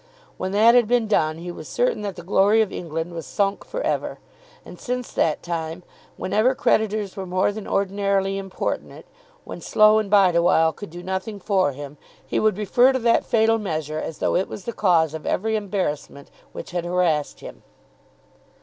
When that had been done he was certain that the glory of England was sunk for ever. And since that time, whenever creditors were more than ordinarily importunate, when Slow and Bideawhile could do nothing for him, he would refer to that fatal measure as though it was the cause of every embarrassment which had harassed him.